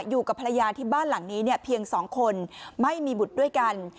อยู่กับภรรยาที่บ้านหลังนี้เนี่ยเพียง๒คนไม่มีบุตรด้วยกัน